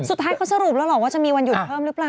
สุดท้ายเขาสรุปแล้วหรอกว่าจะมีวันหยุดเพิ่มหรือเปล่า